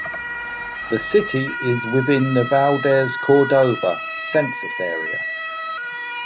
The city is within the Valdez-Cordova Census Area.